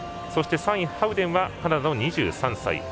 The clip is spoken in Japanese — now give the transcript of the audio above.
そして、３位ハウデンはカナダの２３歳。